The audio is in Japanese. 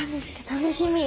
楽しみ。